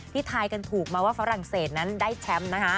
ทายกันถูกมาว่าฝรั่งเศสนั้นได้แชมป์นะคะ